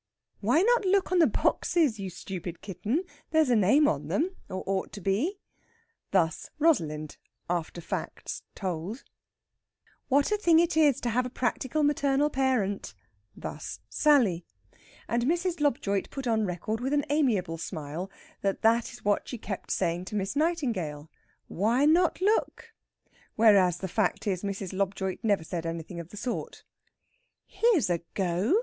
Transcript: "Why not look on the boxes, you stupid kitten? There's a name on them, or ought to be." Thus Rosalind, after facts told. "What a thing it is to have a practical maternal parent!" Thus Sally. And Mrs. Lobjoit put on record with an amiable smile that that is what she kept saying to Miss Nightingale, "Why not look?" Whereas the fact is Mrs. Lobjoit never said anything of the sort. "Here's a go!"